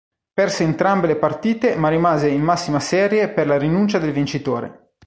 Perse entrambe le partite ma rimase in massima serie per la rinuncia del vincitore.